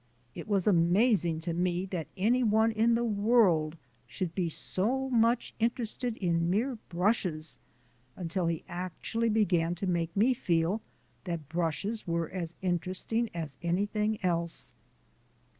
It was amazing to me that any one in the world should be so much interested in mere brushes until he actually began to make me feel that brushes were as interesting as anything else!